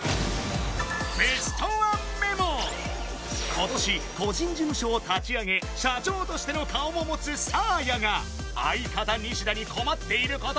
今年個人事務所を立ち上げ社長としての顔も持つサーヤが相方・ニシダに困っていること